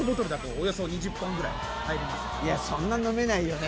いやそんな飲めないよね。